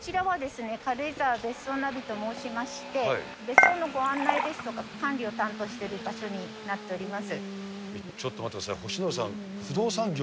こちらはですね、軽井沢別荘ナビと申しまして、別荘のご案内ですとか、管理を担当している場所になっております。